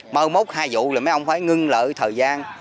mơ mốt hai vụ thì mấy ổng phải ngưng lợi thời gian